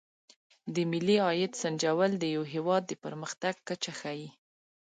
د ملي عاید سنجول د یو هېواد د پرمختګ کچه ښيي.